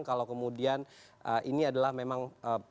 kalau kemudian ini adalah memang